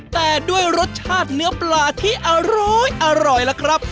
แต่ด้วยรสชาติเนื้อปลาที่อร้อยล่ะครับ